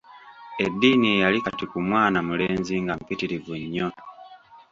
Eddiini eyali kati ku mwana mulenzi nga mpitirivu nnyo.